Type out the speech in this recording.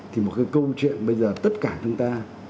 thì một cái câu chuyện bây giờ tất cả chúng ta